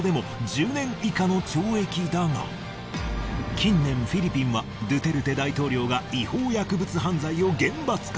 近年フィリピンはドゥテルテ大統領が違法薬物犯罪を厳罰化。